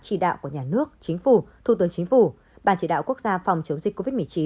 chỉ đạo của nhà nước chính phủ thủ tướng chính phủ ban chỉ đạo quốc gia phòng chống dịch covid một mươi chín